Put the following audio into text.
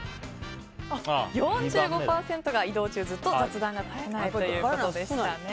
４５％が移動中ずっと雑談が絶えないということでしたね。